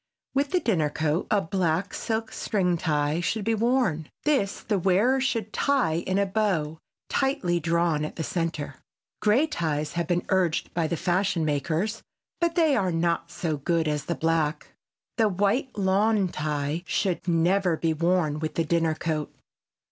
With the dinner coat a black silk string tie should be worn; this the wearer should tie in a bow, tightly drawn at the center. Gray ties have been urged by the fashion makers, but they are not so good as the black. The white lawn tie should never be worn with the dinner coat.